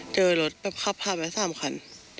เจอรถขับผ่านมา๓คัน